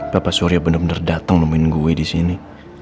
bapak surya bener bener datang nemuin gue disini